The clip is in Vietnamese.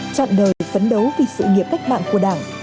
chọn đời phấn đấu vì sự nghiệp cách mạng của đảng